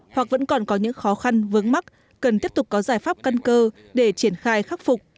hoặc vẫn còn có những khó khăn vướng mắt cần tiếp tục có giải pháp căn cơ để triển khai khắc phục